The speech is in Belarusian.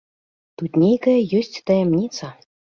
Тут нейкая ёсць таямніца!